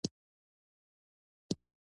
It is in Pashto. زه غواړم په پښتو ژبه خبری وکړم او ولیکم او وارم